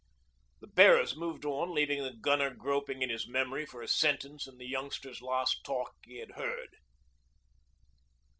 The bearers moved on, leaving the gunner groping in his memory for a sentence in the youngster's last talk he had heard.